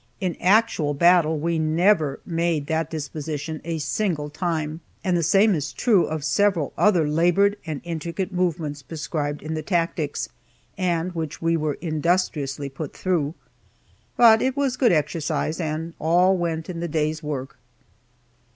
In actual battle we never made that disposition a single time and the same is true of several other labored and intricate movements prescribed in the tactics, and which we were industriously put through. But it was good exercise, and "all went in the day's work."